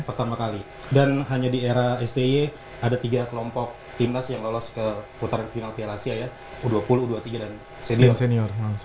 pertama kali dan hanya di era sti ada tiga kelompok timnas yang lolos ke putaran final piala asia ya u dua puluh u dua puluh tiga dan senior senior